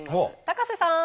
高瀬さん！